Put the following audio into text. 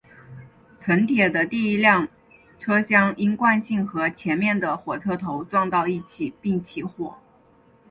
城铁的第一辆车厢因惯性和前面的火车头撞到一起并起火。